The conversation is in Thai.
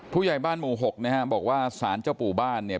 ผู้ใหญ่บ้านหมู่หกนะฮะบอกว่าสารเจ้าปู่บ้านเนี่ย